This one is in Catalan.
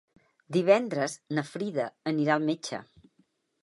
Divendres na Frida anirà al metge.